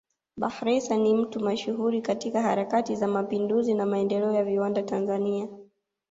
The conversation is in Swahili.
Bakhresa ni mtu mashuhuri katika harakati za mapinduzi na maendeleo ya viwanda Tanzania